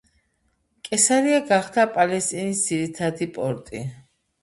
კესარია გახდა პალესტინის ძირითადი პორტი.